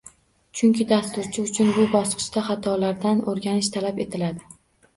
Chunki dasturchi uchun bu bosqichda xatolardan o’rganish talab etiladi